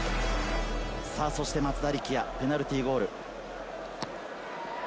松田力也、ペナルティーゴール。